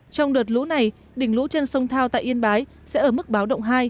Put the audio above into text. trong đợt lũ này đỉnh lũ trên sông thao tại yên bái sẽ ở mức báo động hai